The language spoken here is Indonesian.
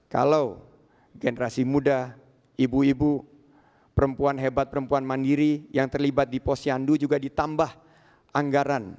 kalau generasi muda ibu ibu perempuan hebat perempuan mandiri yang terlibat di posyandu juga ditambah anggaran